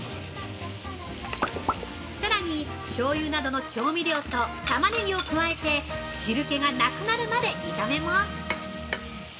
◆さらにしょうゆなどの調味料とタマネギを加えて汁気がなくなるまで炒めます。